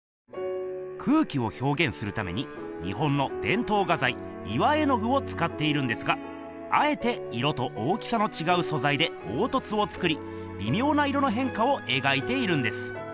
空気をひょうげんするために日本のでんとう画ざい岩絵具をつかっているんですがあえて色と大きさのちがうそざいでおうとつを作りびみょうな色のへんかを描いているんです。